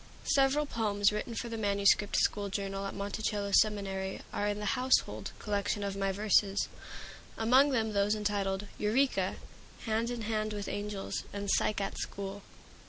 Several poems written for the manuscript school journal at Monticello Seminary are in the "Household" collection of my verses, among them those entitled "Eureka," "Hand in Hand with Angels," and "Psyche at School."